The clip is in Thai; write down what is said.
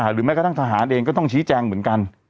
หรือแม้กระทั่งทหารเองก็ต้องชี้แจงเหมือนกัน